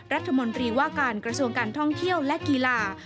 รัฐมนตรีว่าการกระทรวงการท่องเที่ยวและกีฬา